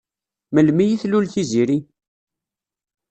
Melmi i tlul Tiziri?